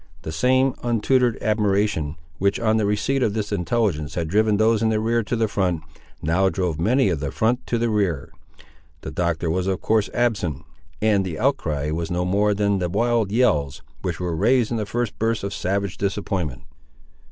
The same untutored admiration, which on the receipt of this intelligence had driven those in the rear to the front, now drove many of the front to the rear. The Doctor was of course absent, and the outcry was no more than the wild yells, which were raised in the first burst of savage disappointment.